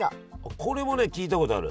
これもね聞いたことある。